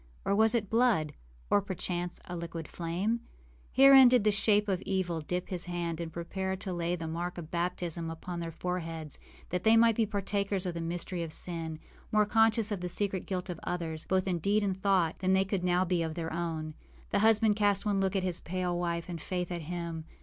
or was it blood? or, perchance, a liquid flame? Herein did the shape of evil dip his hand and prepare to lay the mark of baptism upon their foreheads, that they might be partakers of the mystery of sin, more conscious of the secret guilt of others, both in deed and thought, than they could now be of their own. The husband cast one look at his pale wife, and Faith at him.